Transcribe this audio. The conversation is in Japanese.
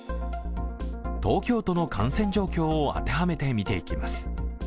東京都の感染状況を当てはめてみていきます。